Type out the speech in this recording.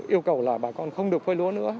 yêu cầu là bà con không được phơi lúa nữa